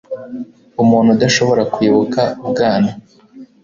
Umuntu udashobora kwibuka ubwana